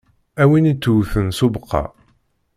Am win ittewten s ubeqqa.